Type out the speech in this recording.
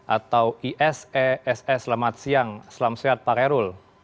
atau isess selamat siang selamat siang pak kairul